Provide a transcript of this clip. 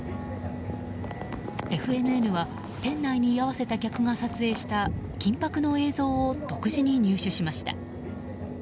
ＦＮＮは店内に居合わせた客が撮影した緊迫の映像を独自に入手しました。